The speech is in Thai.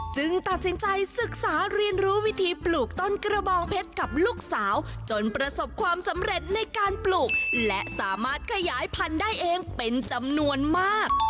ตัดสินใจศึกษาเรียนรู้วิธีปลูกต้นกระบองเพชรกับลูกสาวจนประสบความสำเร็จในการปลูกและสามารถขยายพันธุ์ได้เองเป็นจำนวนมาก